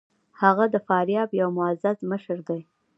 هغه د فاریاب یو معزز مشر دی.